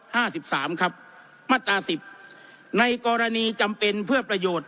ห้าสิบสามครับมาตราสิบในกรณีจำเป็นเพื่อประโยชน์